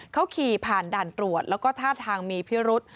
เขาขี่ผ่านด่านตรวจแล้วก็ท่าทางมีพิรุษ